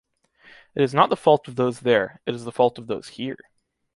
It is not the fault of those there, it is the fault of those here.